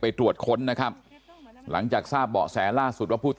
แล้วก็ยัดลงถังสีฟ้าขนาด๒๐๐ลิตร